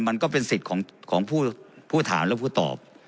มันก็เป็นสิทธิ์ของผู้ถามและผู้ตอบ